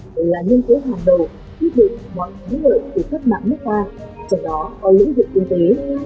đảng là nhân cố hàng đầu thiết định mọi kế hoạch của các mạng nước ta trong đó có lĩnh vực kinh tế